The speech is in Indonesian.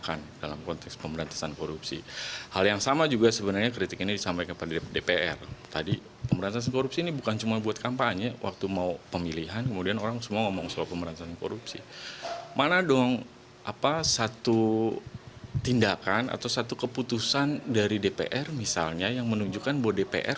ada apa satu tindakan atau satu keputusan dari dpr misalnya yang menunjukkan bahwa dpr